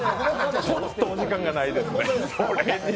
ちょっとお時間がないですね。